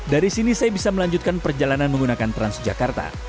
dari sini saya bisa melanjutkan perjalanan menggunakan transjakarta